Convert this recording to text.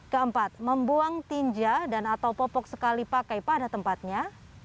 keempat membuang tinja dan atau popok sekali pakai pada tempatnya